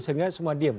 sehingga semua diem